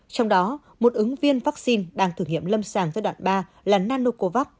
trong đó một ứng viên vaccine đang thử nghiệm lâm sàng giai đoạn ba là nanocovax